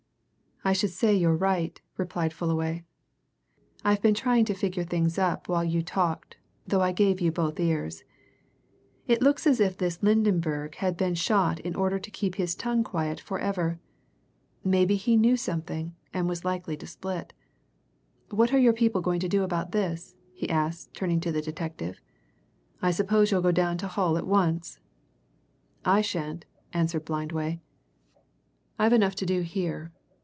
"I should say you're right," replied Fullaway. "I've been trying to figure things up while you talked, though I gave you both ears. It looks as if this Lydenberg had been shot in order to keep his tongue quiet forever. Maybe he knew something, and was likely to split. What are your people going to do about this?" he asked turning to the detective. "I suppose you'll go down to Hull at once?" "I shan't," answered Blindway. "I've enough to do here.